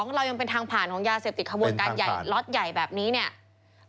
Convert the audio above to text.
เรายังเป็นทางผ่านของยาเสพติดขบวนการใหญ่ล็อตใหญ่แบบนี้เนี่ย